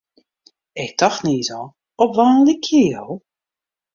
Ik tocht niis al, op wa lykje jo?